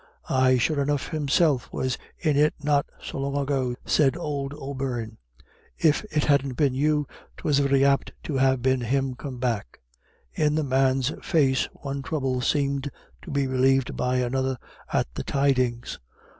"Ay, sure enough, himself was in it not so long ago," said old O'Beirne. "If it hadn't been you, 'twas very apt to ha' been him come back." In the man's face one trouble seemed to be relieved by another at the tidings.